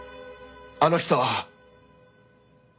あの人は。